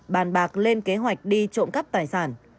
bàn bạc lên kế hoạch đi trộm cắp tài sản